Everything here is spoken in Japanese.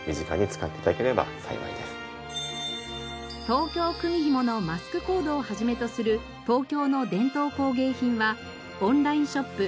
東京くみひものマスクコードを始めとする東京の伝統工芸品はオンラインショップ